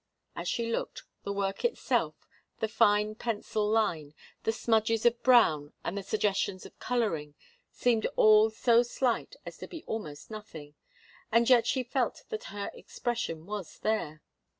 As she looked, the work itself, the fine pencil line, the smudges of brown and the suggestions of colouring seemed all so slight as to be almost nothing and yet she felt that her expression was there.